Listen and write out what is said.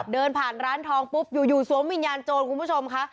เดินผ่านร้านทองปุ๊บอยู่สวมวิญญาณโจรคุณผู้ชมค่ะ